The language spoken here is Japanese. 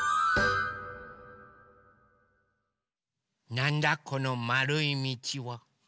なんだこのまるいみちは？